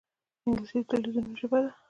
انګلیسي د تلویزونونو ژبه ده